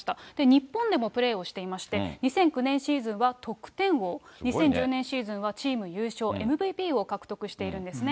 日本でもプレーをしていまして、２００９年シーズンは得点王、２０１０年シーズンはチーム優勝、ＭＶＰを獲得しているんですね。